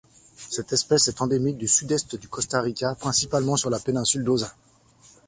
Cette espèce est endémique du Sud-Est du Costa Rica, principalement sur la péninsule d'Osa.